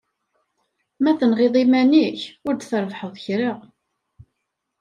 Ma tenɣiḍ iman-ik, ur d-trebbḥeḍ kra.